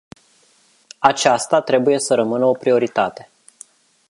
Aceasta trebuie să rămână o prioritate.